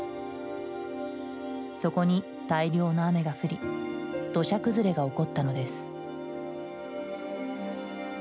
そこに大量の雨が降り土砂崩れが起こったのです。